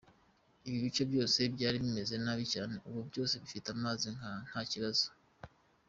Ibi bice byose byari bimeze nabi cyane, ubu byose bifite amazi nta kibazo.